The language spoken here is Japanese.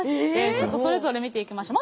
ちょっとそれぞれ見ていきましょう。